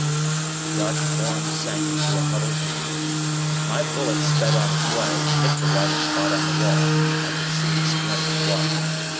The dark form sank into a huddled heap. My bullet sped on its way, and hit the whitish spot on the wall; I could see the splinters fly.